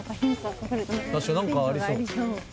確かに何かありそう。